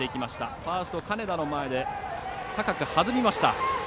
ファースト、金田の前で高く弾みました。